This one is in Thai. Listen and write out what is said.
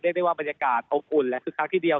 เรียกได้ว่าบรรยากาศภูมิคุณและคุณสัตว์ที่เดียว